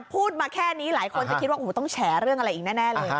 พูดมาแค่นี้หลายคนจะคิดว่าต้องแฉเรื่องอะไรอีกแน่เลย